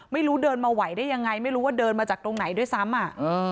เดินมาไหวได้ยังไงไม่รู้ว่าเดินมาจากตรงไหนด้วยซ้ำอ่ะ